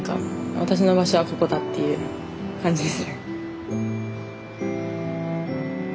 私の場所はここだっていう感じですね。